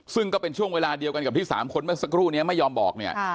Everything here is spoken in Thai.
ซึ่งก็เป็นช่วงเวลาเดียวกันกับที่๓คนเมื่อสักครู่นี้ไม่ยอมบอกเนี่ย